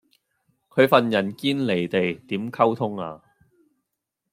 佢份人堅離地點溝通呀